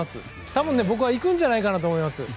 多分、僕はいくんじゃないかなと思います。